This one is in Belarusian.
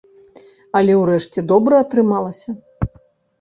Але ўрэшце добра атрымалася.